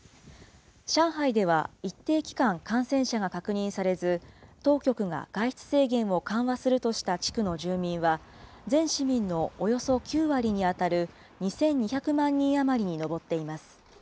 上海では一定期間、感染者が確認されず、当局が外出制限を緩和するとした地区の住民は、全市民のおよそ９割に当たる２２００万人余りに上っています。